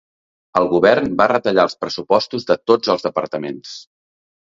El govern va retallar els pressupostos de tots els departaments.